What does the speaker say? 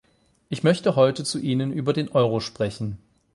Ich möchte heute zu Ihnen über den Euro sprechen.